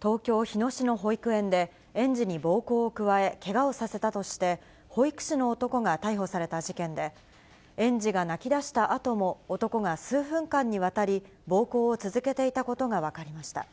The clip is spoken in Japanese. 東京・日野市の保育園で、園児に暴行を加え、けがをさせたとして、保育士の男が逮捕された事件で、園児が泣きだしたあとも、男が数分間にわたり、暴行を続けていたことが分かりました。